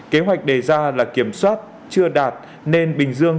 kế hoạch đề ra là kiểm soát chưa đạt nên bình dương